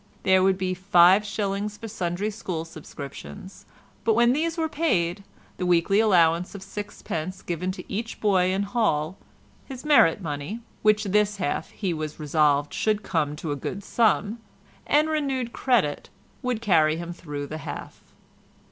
There would be five shillings for sundry school subscriptions—but when these were paid the weekly allowance of sixpence given to each boy in hall, his merit money (which this half he was resolved should come to a good sum) and renewed credit, would carry him through the half.